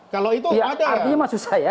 kalau itu ada